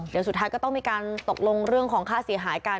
เดี๋ยวสุดท้ายก็ต้องมีการตกลงเรื่องของค่าเสียหายกัน